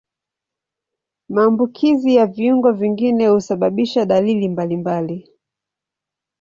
Maambukizi ya viungo vingine husababisha dalili mbalimbali.